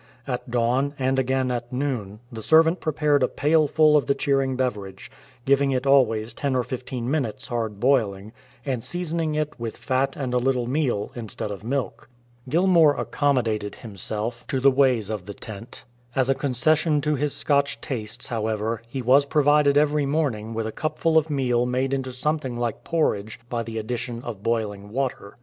At dawn, and again at noon, the servant prepared a pailful of the cheering beverage, giving it always ten or fifteen minutes'* hard boiling, and seasoning it with fat and a little meal instead of milk. Gilmour accommodated himself to the 23 LEARNING TO RIDE ways of the tent. As a concession to his Scotch tastes, however, he was provided every morning with a cupful of meal made into something like porridge by the addition of boiling water.